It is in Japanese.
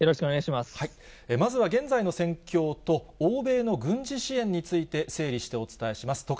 まずは現在の戦況と、欧米の軍事支援について、整理してお伝えします。